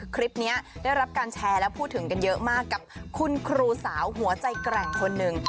คลิปนี้ได้รับการแชร์และพูดถึงกันเยอะมากกับคุณครูสาวหัวใจแกร่งคนหนึ่ง